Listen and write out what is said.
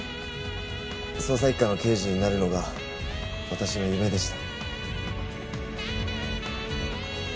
捜査一課の刑事になるのが私の夢でした。